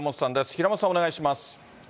平本さん、お願いします。